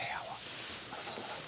そうなんだ。